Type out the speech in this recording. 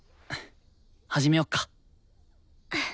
始めよっか。